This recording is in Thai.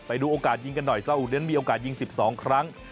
ไปดูโอกาสยิงกันหน่อยซาอุนั้นมีโอกาสยิง๑๒ครั้ง